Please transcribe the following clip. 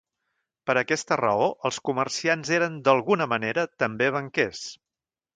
Per aquesta raó, els comerciants eren, d'alguna manera, també banquers.